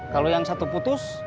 kalau yang satu putus